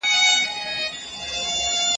ستا هر ارمان به په تدریجي ډول په حقیقت بدل شي.